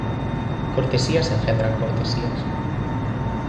Cortesías engendran cortesías.